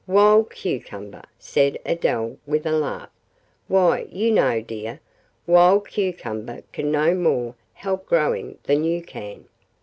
"Wild cucumber," said Adele with a laugh, "Why, you know, dear, wild cucumber can no more help growing than you can.